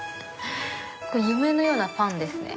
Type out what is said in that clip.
夢のようなパンですね。